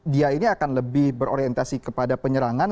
dia ini akan lebih berorientasi kepada penyerangan